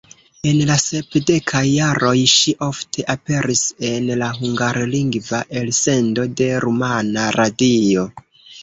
En la sepdekaj jaroj ŝi ofte aperis en la hungarlingva elsendo de Rumana Radio.